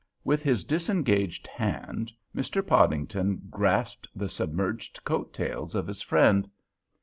With his disengaged hand Mr. Podington grasped the submerged coat tails of his friend.